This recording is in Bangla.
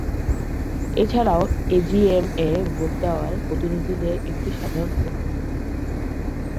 এছাড়াও এজিএম-এ ভোট দেওয়ার প্রতিনিধিদের একটি সাধারণ পরিষদ রয়েছে।